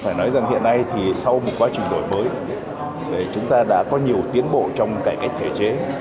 phải nói rằng hiện nay thì sau một quá trình đổi mới chúng ta đã có nhiều tiến bộ trong cải cách thể chế